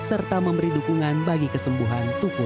serta memberi dukungan bagi kesembuhan tubuh